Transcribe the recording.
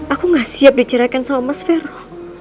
aku gak siap dicerahkan sama mas fero